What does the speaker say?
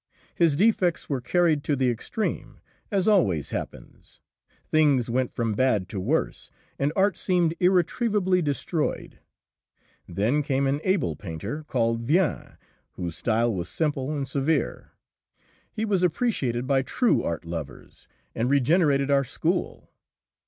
His defects were carried to the extreme, as always happens; things went from bad to worse, and art seemed irretrievably destroyed. Then came an able painter, called Vien, whose style was simple and severe. He was appreciated by true art lovers, and regenerated our school.